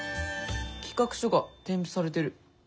企画書が添付されてる。